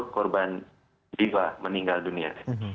korban diva meninggal dunia